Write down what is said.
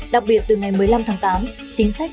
đặc biệt từ ngày một mươi năm tháng tám